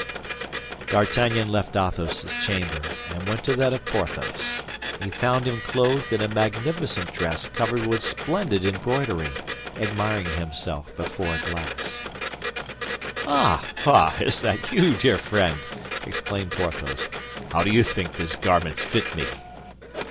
D'Artagnan left Athos's chamber and went to that of Porthos. He found him clothed in a magnificent dress covered with splendid embroidery, admiring himself before a glass. "Ah, ah! is that you, dear friend?" exclaimed Porthos. "How do you think these garments fit me?"